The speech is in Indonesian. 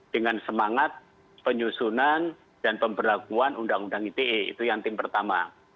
dengan semangat penyusunan dan pemberlakuan undang undang ite itu yang tim pertama